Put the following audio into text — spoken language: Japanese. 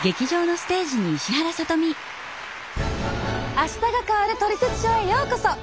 「あしたが変わるトリセツショー」へようこそ！